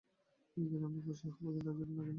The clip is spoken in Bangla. যদি কেনে তো আমি খুশি হব, কিন্তু যদি না কেনে?